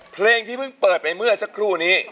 เพลงที่เพิ่งเปิดไปเมื่อสักครู่นี้